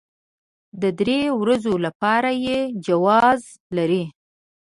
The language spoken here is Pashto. د درې ورځو لپاره يې جواز لري.